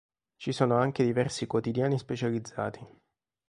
Ci sono anche diversi quotidiani specializzati.